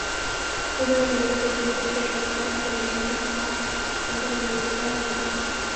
দুবাইয়ের বৈঠকে দুই দেশের সরকারের সবুজসংকেত পাওয়ার ওপরই গুরুত্ব দেওয়া হয়েছিল।